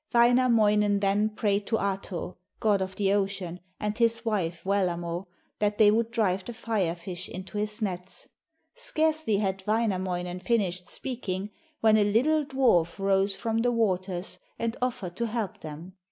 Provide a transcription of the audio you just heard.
Wainamoinen then prayed to Ahto, god of the ocean, and his wife, Wellamo, that they would drive the Fire fish into his nets. Scarcely had Wainamoinen finished speaking, when a little dwarf rose from the waters and offered to help them.